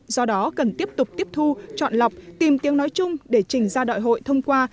do đó cần tiếp tục tiếp thu chọn lọc tìm tiếng nói chung để trình ra đại hội thông qua